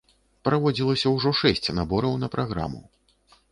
Праводзілася ўжо шэсць набораў на праграму.